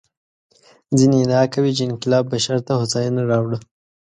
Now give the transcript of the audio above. ځینې ادعا کوي چې انقلاب بشر ته هوساینه راوړه.